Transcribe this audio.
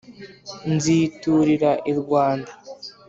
nziturira i rwanda